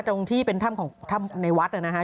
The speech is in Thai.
ตรงที่เป็นถ้ำของถ้ำในวัดนะฮะ